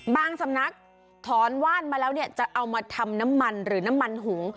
สำนักถอนว่านมาแล้วเนี่ยจะเอามาทำน้ำมันหรือน้ำมันหุง